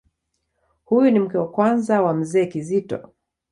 Huyu ni mke wa kwanza wa Mzee Kizito.